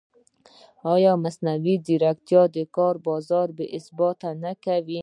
ایا مصنوعي ځیرکتیا د کار بازار بېثباته نه کوي؟